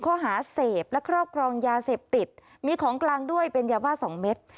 เพราะหาเสพและเคราะห์กรองยาเสพติดมีของกลางด้วยเป็นยาว่าสองเม็ด